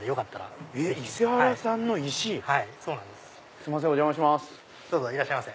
すいませんお邪魔します。